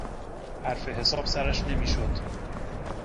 حرف حساب سرش نمیشد.